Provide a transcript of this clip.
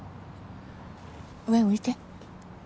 上向いて。